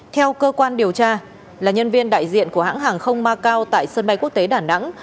theo cơ quan điều tra là nhân viên đại diện của hãng hàng không macau tại sân bay quốc tế đà nẵng